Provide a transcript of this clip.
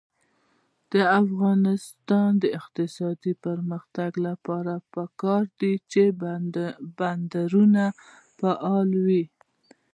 د افغانستان د اقتصادي پرمختګ لپاره پکار ده چې بندرونه فعال وي.